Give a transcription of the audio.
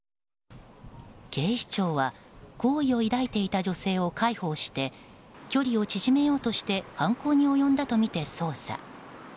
警視庁は好意を抱いていた女性を介抱して距離を縮めようとして犯行に及んだとみて捜査。